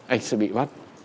anh sẽ bị bắt